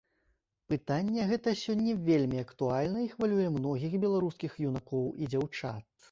Пытанне гэта сёння вельмі актуальнае і хвалюе многіх беларускіх юнакоў і дзяўчат.